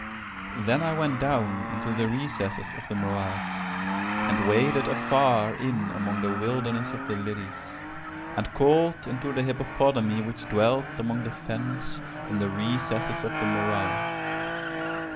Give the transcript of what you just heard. "Then I went down into the recesses of the morass, and waded afar in among the wilderness of the lilies, and called unto the hippopotami which dwelt among the fens in the recesses of the morass.